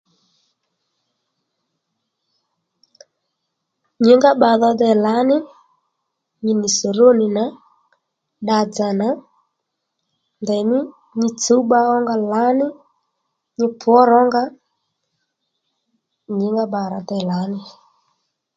Nyǐngá bba dho dey lǎní nyi nì sòrónì nà dda-dzà nà ndèymí nyi tsǔw bba ónga lǎní nyi pwǒ rǒnga nyǐngá bba rà dey lǎní